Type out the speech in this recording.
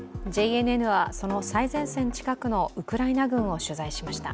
ＪＮＮはその最前線近くのウクライナ軍を取材しました。